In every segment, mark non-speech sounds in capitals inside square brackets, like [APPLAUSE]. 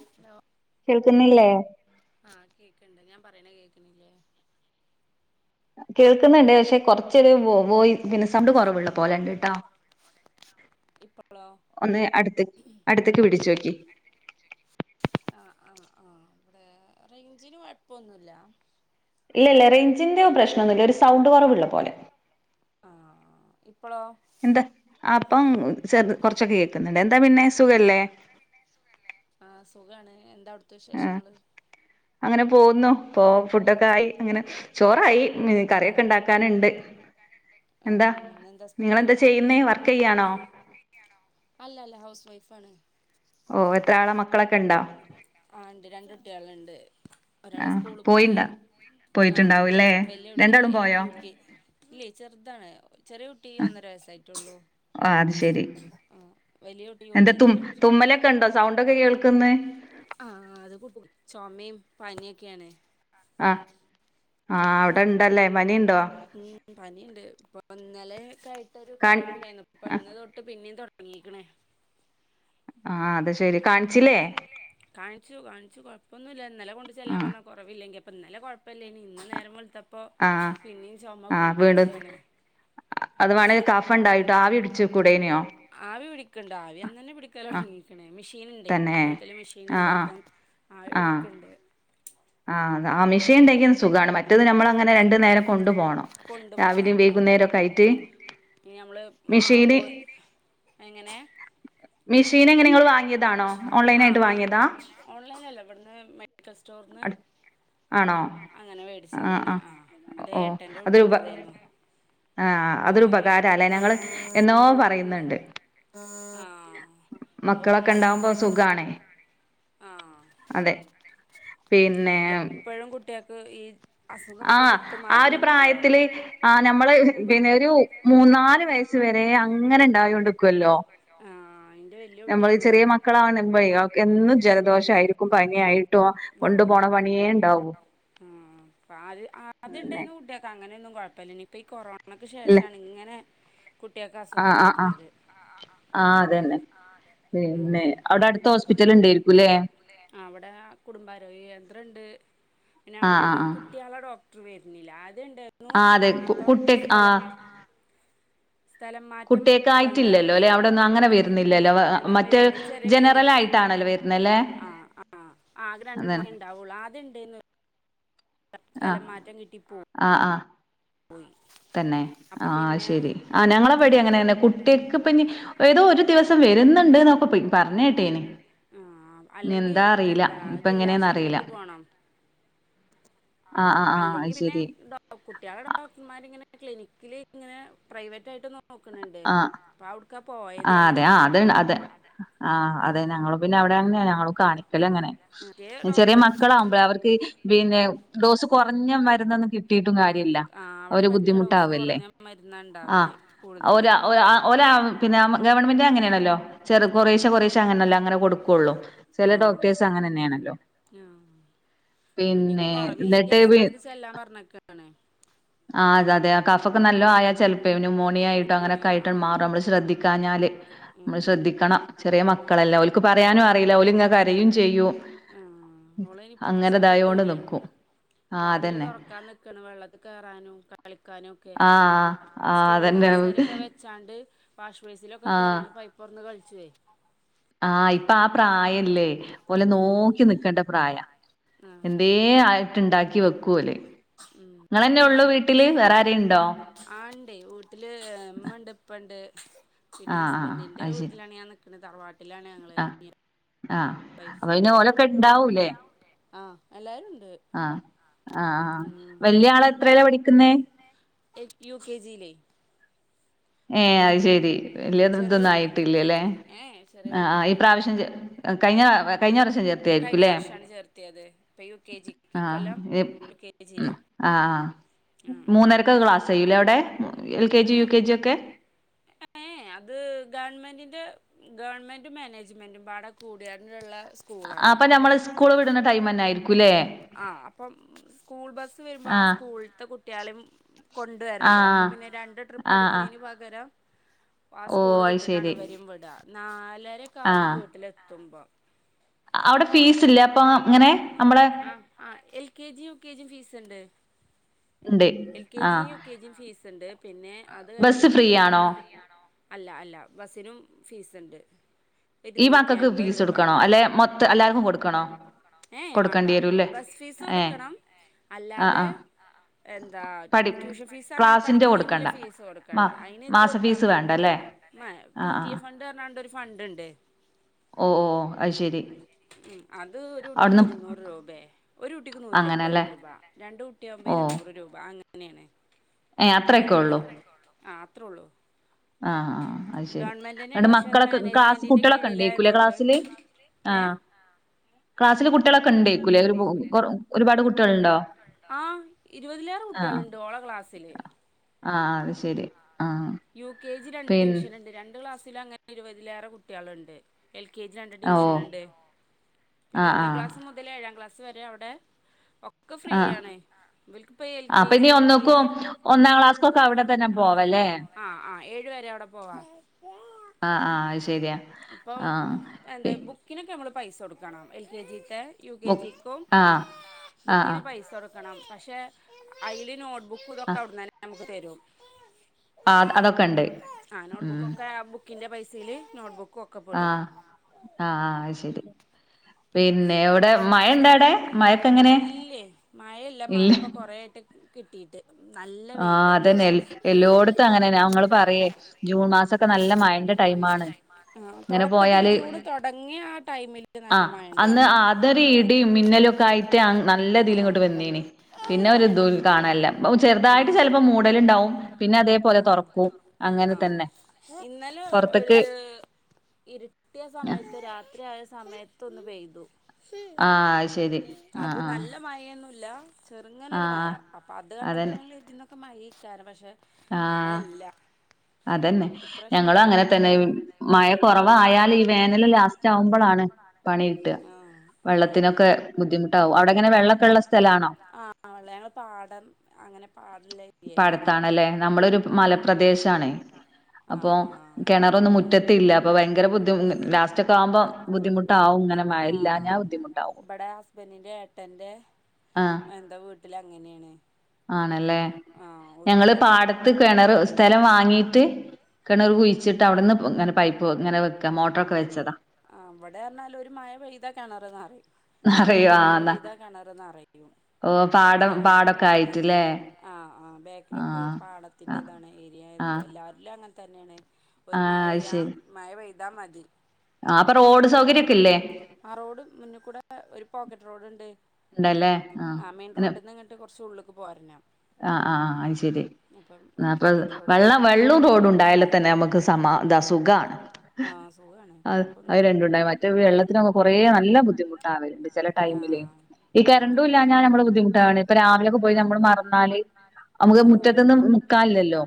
Hello കേൾക്കുന്നില്ലേ ആ കേക്ക്ണ്ടാ ഞാൻ പറയണ് കേക്കണില്ലേ കേൾക്കുന്നുണ്ട് പക്ഷെ കൊറച്ചൊരു വോയ്- പിന്നെ സൗണ്ട് കുറവുള്ള പോലണ്ട് ട്ടാ ഇപ്പളോ ഒന്ന് അടുത്ത് അടുത്തക്ക് പിടിച്ചു നോക്കി ആ ആ ഇവിടെ റെയ്ഞ്ചിനു കുഴപ്പൊന്നു ഇല്ല ഇല്ല ഇല്ല റേഞ്ചിന്റെ പ്രശ്നൊന്നുല്ല്യ ഒരു സൗണ്ട് കുറവുള്ള പോലെ അ അ ഇപ്പ എന്താ അപ്പം ചെറ കൊറച്ചൊക്കെ കേക്കുന്നുണ്ട് എന്താ പിന്നെ സുഖല്ലേ ആ സുഖാണ് എന്താ അവിടുത്തെ ആഹ് വിശേഷങ്ങള് അങ്ങനെ പോകുന്നു ഇപ്പോ ഫുഡൊക്കെ ആയി അങ്ങനെ ചോറാക്കി ഇനി കറിയൊക്കെ ആഹ് ഉണ്ടാക്കാനുണ്ട് എന്താ ആഹ് ഇന്നെന്താ സ്പെഷ്യല് നിങ്ങളെന്താ ചെയ്യുന്നേ വർ ക്ക് ചെയ്യാണോ അല്ലല്ല ഹൗസ് വൈഫാണ് ഓ എത്ര ആളാ മക്കളൊക്കെ ഉണ്ടോ ആ ഉണ്ട് രണ്ടു കുട്ടികളുണ്ട് ഒരാള് ആഹ് സ്കൂളിൽ പോയി പോയിണ്ടാ ആ പോയിട്ടുണ്ടാവൂല്ലേ എൽ വല്ല്യ കുട്ടി രണ്ടാളും എൽ പോയോ യു കെ ജി ല്ലെ ചെറുതാണ് ചെറിയ കുട്ടി ഒന്നര വയസായിട്ടുള്ളു ആഹ് അത് ശരി എന്താ തുമ തുമ്മലൊക്കെ ഉണ്ടോ സൗണ്ടൊക്കെ കേൾക്കുന്നെ ആഹ അത്കൂപ്പു ചൊമേം പനിയൊക്കെയാണ് ആ ആ അവിടെ ഇണ്ടല്ലേ പനി ഉം പനിയുണ്ട് ഇപ്പൊ ഇന്നലൊക്കെ ആയിട്ടൊരു കാൺ കുറവുണ്ടായിരുന്നു. ഇപ്പ ഇന്ന് തൊട്ട് പിന്നേം തൊടങ്ങി. [UNINTELLIGIBLE] ആ അത് ശരി. കാണിച്ചില്ലേ? കാണിച്ചു കാണിച്ചു കൊഴപ്പൊന്നുല്ല്യ ഇന്നലെ കൊണ്ടു ചെല്ലാൻ ആഹ് പറഞ്ഞു കൊറവില്ലെങ്കിൽ. ഇന്നലെ കൊഴപ്പല്ലേന്നു ഇന്നു നേരം വെളുത്തപ്പോ ആ ആ [UNINTELLIGIBLE] അത് വേണെങ്കിൽ കഫം ഉണ്ടായിട്ട് ആവി പിടിച്ച [UNINTELLIGIBLE] ആവി പിടിക്കണ്ട ആവി അന്ന് തന്നെ ആഹ് പിടിക്കാലോടങ്ങിക്കണ്. മെഷീന്ണ്ട് തന്നെ വീട്ടില് മെഷീനുണ്ട്. ആഹ് അപ്പം ആവി പിടിക്കണ്ട്. ആ അ മിഷ്യൻ ഉണ്ടെങ്കി സുഖാണ്. മറ്റത് നമ്മൾ അങ്ങനെ രണ്ടു നേരം കൊണ്ടു പോണം. രാവിലേം വൈകുന്നേരം ഒക്കെ ആയിട്ട്. ഇ നമ്മള് ആ മിഷീന് [UNINTELLIGIBLE] എങ്ങനെ? മെഷീൻ എങ്ങനെ നിങ്ങൾ വാങ്ങിയതാണോ? ഓൺലൈൻ ആ ആയിട്ട് വാങ്ങിയതാ? ആ ഓൺലൈനല്ല ഇവിടുന്ന് മെഡിക്കൽ സ്റ്റോറിന്ന്. ആണോ അങ്ങനെ ആഹ് മേടിച്ചതാണ് ആഹ് ആ അതെ ഏട്ടൻ്റെ കുട്ടിൻ്റെ [UNINTELLIGIBLE] ആ അതൊരു ഉപകാരാല്ലേ ഞങ്ങൾ എന്നോ പറയുന്നുണ്ട്. ആ ആ അത് മക്കളൊക്കെ ഉപകാരം ഉണ്ടാവുമ്പോ സുഖണേ ആ അതെ. പിന്നെ എപ്പോഴും കുട്ടികൾക്ക് ഈ അസുഖം ആ ഇപ്പം വിട്ട് ആ ഒരു മാറണില്ലല്ലോ പ്രായത്തില് ആ നമ്മള പിന്നെ ഒരു മൂന്നാല് വയസ്സ് വരെ അങ്ങനെ ഇണ്ടായോണ്ടിക്കുവല്ലോ? ആ നമ്മൾ ചെറിയ മക്കളാവുമ്പോ എന്നും ജലദോഷ ആയിട്ടും പനിയായിട്ടും കൊണ്ടു പോണ പണിയേ ഇണ്ടാവൂ. ആഹ് ആത് അതിണ്ടെങ്കി കുട്ടിയാക്ക് അങ്ങനെ ഒന്നും കൊഴപ്പില്ലെനി ഇപ്പം ഈ കൊറോണയ്ക്ക് ഇല്ല ശേഷമാണ് ഇങ്ങനെ കുട്ടിയാക്ക് അസുഖം ആഹ് ആഹ് ആഹ് വര്ണത്. ആഹ് അതന്നെ പിന്നെ അവിടെ അടുത്ത ഹോസ്പിറ്റൽ ഇണ്ടേരിക്കൂല്ലേ. ആഹ് കുടുംബ ആരോഗ്യ കേന്ദ്രം ഇണ്ട് പിന്നെ ആഹ് ആഹ് അവിടുന്നും ആഹ് കുട്ടിയാളെ ഡോക്ടർ വെരിന്നില്ല. ആഹ് അതെ കു കുട്ടി ആഹ്. സ്ഥലം മാറ്റം കുട്ട്യാക്ക് ആയിറ്റില്ലല്ലോ വന്നപ്പേ അല്ലെ അവിടൊന്നും അങ്ങനെ ഇല്ലേ വെരുന്നില്ലല്ലോ അങ്ങനെ മറ്റ വരുന്നില്ല ചെറിയ ക്ലിനിക്ക് ജനറലായിട്ട ആണല്ലോ വരുന്നല്ലേ? ആഹ് ആഹ് ആകെ രണ്ടു അതാണ് മണി ഇണ്ടാവുള്ളു ആദ്യം [UNINTELLIGIBLE] സ്ഥലം ആഹ് മാറ്റം കിട്ടി പോവും ആഹ് ആഹ്. തന്നെ അപ്പൊ ആഹ് പിന്നെ ശെരി ആഹ് ഞങ്ങളെ പേടി അങ്ങനെ തന്നെ കുട്ട്യക്ക് ഇപ്പിനി ഏതോ ഒരു ദിവസം വെര എന്നുണ്ട് ന്ന് പോയി പറഞ്ഞെട്ടീന് ആഹ് അല്ലെങ്കിൽ എന്താ അറിയില്ല ഇപ്പ എങ്ങനെന്ന് അറിയില്ല. ആണോ? ആഹ് ആഹ് ആഹ് അല്ലെങ്കി അത് പിന്നെ ശരി കുട്ടികളെ ഡോക്ടർ ഞാനിങ്ങനെ ക്ലിനിക്കില് ഇങ്ങനെ പ്രൈവറ്റായി നോക്കുന്നുണ്ട് ആഹ് അപ്പൊൾ അവൾക്ക് ആ അതെ ആ അത് അതെ ആ അതെ ഞങ്ങൾ പിന്നെ അവിടെ അങ്ങനെയ ഞങ്ങൾ കാണിക്കും അങ്ങനെ മറ്റേ ചെറിയ ഡോക്ടർ മക്കളാവുമ്പോഴ അവർക്ക് പിന്നെ ഡോസ് കുറഞ്ഞ മരുന്നൊന്നും കിട്ടിട്ടും കാര്യയില്ല ആ അവിടെ അവര് പറ്റ ഡോസ് ബുദ്ധിമുട്ടാവല്ലേ കുറഞ്ഞ മരുന്നാ ആ ഉണ്ടാവല് കൂടുതലും ഒരാ ഒരാ ഒരാ പിന്നെ ഗവൺമെന്റ് അങ്ങനെയാണല്ലോ ചെറു ആ കൊറേശ കൊറേശ അങ്ങനല്ലോ അങ്ങനെ കൊടുക്കയുള്ളൂ ആ ചില ഡോക്ടർസ് അങ്ങനെ തന്നെയാണല്ലോ ആ അപ്പൊ നീ പിന്നെ കൊറവില്ലെങ്കി എക്സറേ എന്നിട്ട് എടുത്ത് ചെല്ലാൻ പറഞ്ഞക്കണേ ആ അത അതെ കഫ ഒക്കെ നല്ലതയാ ചിലപ്പോ ഇന് മോണിയ ആയിട്ടോ അങ്ങനെക്കെയിട്ടാണ് ആയിട്ടൊക്കെ മാറും നമ്മ ശ്രദ്ധിക്ക ഞ്ഞാല് നമ്മള് ശ്രദ്ധിക്ക ണം ചെറിയ മക്കളല്ല ഓള്ക്ക് പറയാനും അറിയില്ല ഓള് ഇങ്ങ കരയും ചെയ്യും ചെയ്യും ഓളയ്ന് പുടിച്ചാ അങ്ങനെതായൊണ്ട് കിട്ടൂലേ നിക്കും ആഹ് വാതില് അതന്നെ തുറക്കാൻ നക്കണ വെള്ളത്തി കയറാനും കളിക്കാനും ഒക്കെ ആഹ് ആഹ് സ്റ്റൂ അതന്നെ കസേരൊക്കെ വെച്ചാണ്ട് വാഷ് ബേസിലൊക്കെ കയറിയാണ് പൈപ്പ്റന്ന് കളിച്ചുവേ ആ ഇപ്പൊ ആ പ്രായല്ലേ പോലെ നോക്കി നിക്കണ്ട പ്രായ എന്തേ വെറുതെ ആയിട്ട്ുണ്ടാക്കി വെക്കൂലെ നിങ്ങളന്നെ ഉള്ളു വീട്ടില് വേറെ ആരെയുണ്ടോ ആ ഉണ്ട്േ വീട്ടില് ഉമ്മണ്ട് ഇപ്പണ്ട് പിന്നെ ആഹ് ഹസ്ബൻഡിന്റെ വീട്ടിലാണ് ഞാൻ നിക്കുന്നത് തറവാട്ടിലാണ് ഞങ്ങള് ആ ആ അപ്പൊ ഓന്ക്കെ ഇണ്ടാവൂല്ലേ ആ എല്ലാരുംണ്ട് ആവല്യ ആള എത്രല്ല പഠിക്കുന്നേ യുക്കെ ജി ല ഏ അത് ശെരി ചെറിയ വലിയത്തൊന്നും കുട്ടി ആയിട്ടില്ലല്ലെ ഏഹ് ചെറിയ ആ ആ ഈ കുട്ടിയാണ് പ്രാവശ്യം കഴിഞ്ഞ ചേർത്ത കഴിഞ്ഞ ആയിരിക്കുംല്ലേ വർഷാണ് ചേർത്തിയത് ഇപ്പൊ യു കെ ജിക്ക് ആ ഇക്കൊല്ലം യു കെ ജിയില് ആ മൂന്നരക്ക ക്ലാസ് കഴിയില്ലേ അവിടെ L K G U K ആഹ് ജി ഒക്കെ ഏ അത് ഗവൺമെൻറ് ഗവൺമെന്റ് മാനേജ്മെന്റും പാടം കൂടികൂള്ള അപ്പൊ ഞമ്മള് സ്കൂള് വിടുന്ന ടൈം തന്നെ ആയിരിക്കുംല്ലേ ആ അപ്പം സ്കൂൾ ബസ്സ് വരുമ്പോ ആ ആഹ് സ്കൂളത്തെ കുട്ടികളും കൊണ്ടുവരണ്ടേ അപ്പൊ ആഹ് പിന്നെ രണ്ട് ട്രിപ്പ് ആഹ് ആഹ് അടിക്കണന് പകരം ആ ഓഹ് സ്കൂള് അത് വിട്ടിട്ടാണ് ശെരി വരും വിടുക നാലരക്കാവും ആഹ് വീട്ടിലെത്തുമ്പോ അവിടെ ഫീസ് ഇല്ല അപ്പൊ ഇങ്ങനെ നമ്മള ണ്ട് എൽ കെ ജിയ ആഹ് യു കെ ജിയും ഫീസ് ഉണ്ട് പിന്നെ അത് ബസ്സ് ഫ്രീ കഴിഞ്ഞിട്ട് ആണോ അല്ല അല്ല ബസിനും ഫീസ്ണ്ട് ഈ മക്കൾക്ക് ഫീസ് കൊടുക്കണോ അല്ലെ മൊത്തം എല്ലാവർക്കും കൊടുക്കണോ ഏ വേണ്ട കൊടുക്കേണ്ടി വരൂല്ലേ ബസ് ഫീസ് ഏ കൊടുക്കണം ആ ആ അല്ലാതെ എന്താ പഠി ട്യൂഷൻ ഫീസ് അങ്ങനെ ക്ലാസിന്റെ പഠിക്കണേുള്ള കൊടുക്കണ്ട ഫീസ് മാ കൊടുക്കണ്ട അയിന് എത് മാസ കൊടുത്താ ഫീസ് മതി വേണ്ടല്ലേ [INAUDIBLE] മ ആ പി ആ ടി എ ഫണ്ട് പറഞ്ഞാണ്ട ഒരു ഫണ്ട് ഉണ്ട് ഓ ഓ അത് ശെരി ഉം അത് ഒരു കുട്ടിക്ക് ഇരുന്നൂറ് രൂപയ ഒരു കുട്ടിക്ക് നൂറ്റി അൻപത് അങ്ങനെല്ലേ രൂപ രണ്ട കുട്ടിയ ഓ ഇരുന്നൂറ് രൂപ അങ്ങനെയാണ് ഏ അത്രയൊക്കെ പിന്നെ അത്രേ ഉള്ളൂ ആഹ് ആ് അത് ശരി ഗവൺമെന്റ് തന്നെയാണ് രണ്ട് പക്ഷെ അത് മക്കളൊക്കെ ക്ലാസ്സ് മാനേജ്മെന്റിന്റെ കുട്ടികളൊക്കെ ഉണ്ടേകുലെ കീഴിലായതുകൊണ്ട് ക്ലാസ്സില് ആ ഏ ക്ലാസ്സില് കുട്ട്യാളോക്കെ ണ്ടേക്കൂല്ലേ ഒരുപാട് കുട്ടികളുണ്ടോ [INAUDIBLE] ആ ഇരുപതിലേറെ കുട്ടികള്ണ്ട് ഓള ക്ലാസ്സില് ആ അത് ശെരി ആ യു കെ ജി രണ്ട് ഡിവിഷൻ ഉണ്ട് രണ്ട് ക്ലാസ്സൽ അങ്ങനെ ഇരുപതിലേറെ കുട്ട്യാള്ണ്ട് എൽ കെ ജി രണ്ട് ഓ ഡിവിഷന്ണ്ട് പിന്നെ ആഹ് ഒന്നാം ആഹ് ക്ലാസ് മുതൽ ഏഴാം ക്ലാസ് വരെ അവിടെ ഒക്കെ ഫ്രീ ആണ് ഇവൽക്കിപ്പോ എൽ കെ പ്പൊ നീ ജി യു കെ ജി ഒന്നിക്കും ഒന്നാം ക്ലാസ്സക്കൊക്കെ അവിടെ തന്നെ പോവല്ലേ ആഹ് ആ ഏഴ വരെ അവിടെ പോവാ ആഹ ആഹ അ ശരിയാ ആഹ എന്താ ബുക്കിനൊക്കെ നമ്മൾ പൈസ കൊടുക്കണം എ കെ ജി യ കെ ബുക്ക് ജും ആഹ് ആഹ് ബുക്ക് ന് ആഹ് പൈസ ക്കണം പക്ഷെ അതിൽ നോട്ട്ബുക്ക് ഇതൊക്കെ അവിടെ ന്നേ നമുക്ക് തരും ആ അതൊക്കെ ഉണ്ട് ഉ സ് ല് നോട്ട്ബുക്ക് ആഹ ആഹ ആ ശരി പിന്നെ ഇവിടെ മഴ ഇണ്ടാ അവിടെ മഴക്കെ എങ്ങനെ മഴല്ല മഴ ഇപ്പോൊ കൊറായിട്ട് കിട്ടിയിട്ട് നല്ല ആ വെയിലാണ് അതന്നെ എല്ലോട്ത്തും അങ്ങനെന്നെ ങ്ങള് പറയേ ജൂൺ മാസൊക്കെ നല്ല മഴ ന്റെ ടൈമാ ണ് ആ തൊടക്കത്തില് ജൂണ് തുടങ്ങിയ ആ ടൈമില് ആ് അന്ന് ആതറി ഇടിയും മിന്നലും ഒക്കെ ആയിട്ട് നല്ല രീതിലും ആ ഇങ്ങോട്ട് വന്നീന് നല്ല പിന്നെ മഴ ഒരു ഇ ദൂൽ ഉണ്ടായിരുന്നു കാണല്ലപ്പ ചെറുതായിട്ട് ആ ചിലപ്പോ മൂടല് ഉണ്ടാവും പിന്നെ അതേപോലെ തുറക്കും അങ്ങനെ ആഹ് തന്നെ പുറത്തേക്ക് ഇരിട്ടിയ സമയത്ത് രാത്രിയ സമയത്തൊന്ന് പെയ്തു ആഹ് ശരി ആഹ് അത്ും ആഹ് നല്ല മഴൊന്നുല്ല ചെറുങ്ങന ഒരു മഴ ആഹ് അപ്പോൾ അത് കണ്ടപ്പോൾ അതന്നെ ഞങ്ങൾ ഇതിന്നൊക്കെ മഴ ഈക്കാരം പക്ഷേ മഴ ആഹ് ല്ല അതന്നെ ഞങ്ങ അങ്ങനെ തന്നെ മഴ കുറവായാല ഈ വേനൽ ലാസ്റ്റ് ആവുമ്പോളാണ് പണി കട്ടുക പണിയൊക്കെ വെള്ളത്തിനൊക്കെ ബുദ്ധിമുട്ടാാവും അവിടെങ്ങനെ വെള്ളമൊക്കെ ഉള്ള സ്ഥലാണോ ആള്ള ഞങ്ങള് പാടം അങ്ങനെ പാടള്ളെരിയിലാണ് ആ ആണ അപ്പൊ കിണറൊന്നും മുറ്റത്തില്ല അപ്പൊ ഭയങ്കര ബുദ്ധി ലാസ്റ്റ ഒക്കെ ആവുമ്പോം ബുദ്ധിമുട്ടാവും ഇങ്ങനെ ആ എല്ല ഞാൻ ബുദ്ധിമുട്ടാവും എ ഹസ്ബൻഡിൻ്ന്റെ ഏട്ടൻ്റെ ആഹ് എന്താ വീട്ടിൽ അങ്ങനെയാണ് ആണല്ലേ ഞങ്ങള് പാടത്ത് കിണറ് സ്ഥലം വാങ്ങീട്ട് കിണൂർ കുഴിച്ചിട്ട് അവിടുന്ന് ഇങ്ങനെ പൈപ്പ് ഇങ്ങനെ വെക്ക മോട്ടറൊക്കെ വെച്ചതാ ആ അവിടെ പറഞ്ഞാാല ഒരു മഴ പെയ്താ കെണർ നെറഞ് അറിയോ നല്ലൊരു ആഹ് മഴവെയ്താ കെണർ നറിയും ഓ പാടം പാടൊക്കെ ആയിട്ട് ലേ ആഹ ആ ബാക്കിലൊക്കെ ആഹ് പാണത്തിന്റെറതാണ് ഏരിയ ആയതുകൊണ്ട് ആഹ് എല്ലാവരില അങ്ങനെ തന്നെയാണ് ഒരു മഴെയ്യ മഴ പെയ്താ മതി ആ അപ്പൊ റോ ആ റോഡ് മുന്നിൽ കൂടെ ഒരു പോക്കറ്റ് റോഡുണ്ട് ഉണ്ടല്ലേ ആഹ് ആ മെയിൻറോട്ട്ന്ന് ഇങ്ങിട്ട് കുറച്ച് ഉള്ള്ക്ക് പോരണം ആ ആ അയ്ശെരി അപ്പം ഒരു ന്നപ്പത് പോക്കറ്റ് റോഡുണ്ട് വെള്ളം വെള്ളോം റോഡ് ഉണ്ടായാൽ തന്നെ നമുക്ക് സമാത സുഖാണ് ആഹ് സുഖാണ് അ അത് കൊഴപ്പൊന്നുല്ല രണ്ടുണ്ടായ മറ്റേ വെള്ളത്തിനൊക്കെ കൊറേ നല്ല ബുദ്ധിമുട്ടാണ് ചില ടൈമിലെ ആഹ് ഈ ആഹ് കരണ്ടൂലാഞ്ഞ ഞമ്മള് ബുദ്ധിമുട്ടാണ് ഇപ്പൊ രാവിലൊക്കെ പോയി നമ്മ മറന്നാല് നമുക്ക് മുറ്റത്ത്ന്നും മുക്കാലില്ലോ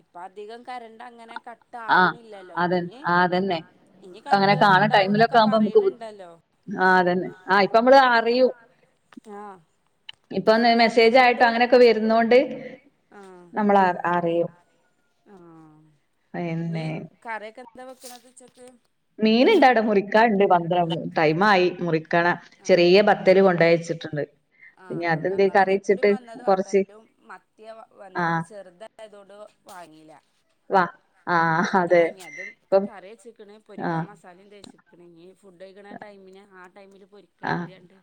ഇപ്പൊ അധികം കരണ്ട് അങ്ങനെ കട്ട് ആഹ് ആവണില്ലല്ലോ അതെ ഇനി ആഹ് അതന്നെ ഇനി അങ്ങനെ കറണ്ട് കട്ട് കാണ ഇണ്ടാവുന്നൊക്കെ പറയുന്നുണ്ടല്ലോ ആ അതന്നെ ആ ഇപ്പ നമ്മള് അറിയും ആഹ് ഇപ്പ ഒന്ന് ഇനി കറണ്ട് മെസ്സേജ് ആയിട്ട് കട്ടും അങ്ങനെയൊക്കെ വരുന്നോണ്ട് നമ്മൾ അറിയും ആ ഇഞ്ഞ് പിന്നെ കറിയൊക്കെ എന്ത വെക്കണ് ഉച്ചക്ക് മീൻ ഇണ്ട് അവിടെ മുറിക്കാണ്ട് പന്ത്രണ്ട് ടൈമായി മുറിക്ക ക്കണാ ചെറിയ പത്തൽ കൊണ്ടയ് വെച്ചിട്ടുണ്ട് ആ പിന്നെ ആ അതെന്തേ കറി വെച്ചിട്ട് ഞങ്ങളതികൂടെയും വന്നതും കൊറച്ച് പത്തലും മത്തിയാ വന്നത് അപ്പൊ ആഹ് ചെറുതായതുകൊണ്ട് വാങ്ങില വാ ആ അതെ ഇപ്പം പൊരിക്കാ ആഹ് മസാലയും തേച്ച്ക്ക്ണ് ഇനി ഫുഡ് കഴിക്കണ ടൈമിന് ആ ടൈമില് ആഹ് പൊരിക്കരിതിയാണ്ട്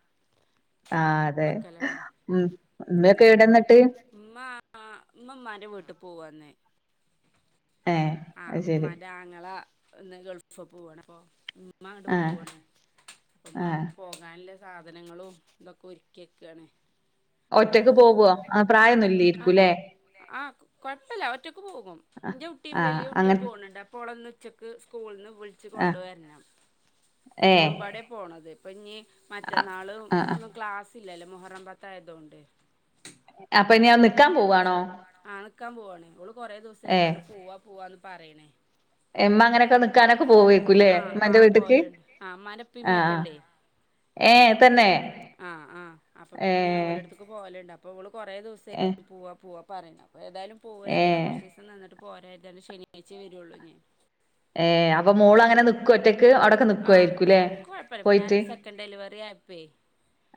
ആഹ് അതെ ഉം എവിടെ എന്നിട്ട് ഉമ്മ ആ ഉമ്മാന്റെ വീട്ടു പോവാന്ന് ഏഹ് ആ അത് ശരി ഉമ്മാന്റെ ആങ്ങള ഒന്ന് ഗൾഫ് പോവാണ് അപ്പൊ മ് ഉമ്മ അങ്ങട്ട് ആഹ് പോവാണ് ഉമ്മ ആഹ് പോകാനിള്ളെ സാധനങ്ങളും ഇതൊക്കെ ഒരുക്കി കാണ് ഒറ്റക്ക് പോവോ ആ പ്രായൊന്നുല്ലേരിക്കുല്ലേ ആ കൊഴപ്പല്ല ഒറ്റക് പോവും ആ ഇന്റെ കുട്ടി യും ആഹ് വലിയ അങ്ങ കുട്ടിയും പോണിണ്ട് അപ്പോളൊന്ന് ഉച്ചക്ക് സ്കൂൾന്ന് വിളിച്ച് ആ കൊണ്ടുവരണം ഏ ഓളുംപാടെ പോണത് അപ്പൊഞ്ഞി മറ്റന്നാൾ ആ ആ ഒന്ന് ക്ലാസ്സ്‌ ല്ലല്ലോ മൊഹറം പത്തായതോണ്ട് അപ്പൊ ഇനി നിക്കാൻ പോവാണോ ആ നിക്കാൻ പോവേണ് ഓള് കൊറെ ഏ ദിവസായിക്കണ് പോവാ പോവാന്ന് പറയണ് ഇമ്മ അങ്ങനെയൊക്കെ എമ്മ അങ്ങനെ ഒക്കെ നിക്കാനൊക്കെ പോവുംലെ പോവേക്കുല്ലേ ആ ആ ഇമ്മന്റെ വീട്ട്ക്ക് പോവലിണ്ട് ആ ഇമ്മാന്റെ ഉപ്പേം ആ ഉമ്മേം ആ ഒക്കെ ണ്ടേ ഏ തന്നെ ആ ആ അപ്പൊ ഏ പിന്നെ ഓലടുത്തക്ക് പോവലുണ്ട് അപ്പോൾ നമ്മൾ കുറ ഏ ദിവസായിക്കണ് പൂവാ പൂവാ പറയണ് അപ്പോ ഏതായാലും പോവല്ലേ ഏ അപ്പോം ന്നാ കുറച്ച് ദിവസം നിന്നിട്ട് പോര ഏതായാലും ശനിയാഴ്‌ച്ച വരുള്ളൂ ഇനി ഏ അപ്പൊ മോൾ അങ്ങനെ നിക്കോ ഒറ്റക്ക് അവിടൊക്കെ ആഹ് നിക്കുവായിരിക്കുല്ലേ ഓക്ക് കൊഴപ്പല്ല ഇപ്പൊ ഞാൻ പോയിട്ട് സെക്കൻഡ് ഡെലിവറി ആയപ്പേ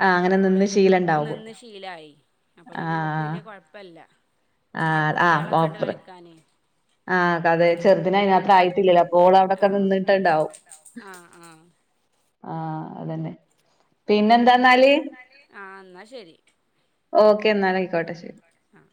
ആ അങ്ങനെ ഓള് നിന്ന് ശീലണ്ടാവും നിന്ന് ശീലായി അപ്പൊ ആ പിന്നെ ഓൾൾക്ക് വല്യ കൊഴപ്പല്ല അവിടെ ആ കുട്ടികളൊക്കെണ്ട് കളിക്കാൻ ആ അതെ ചെറുദിന അതിന അത്ര ആയിട്ടില്ലല്ലോ അപ്പോൾ അവിടൊക്കെ നിന്നിട്ടു ആ ആ ആ അതന്നെ പിന്നെന്താ ആ എന്ന ശരി ഓക്കെ എന്നാൽ ആയിക്കോട്ടെ ശരി ആഹ്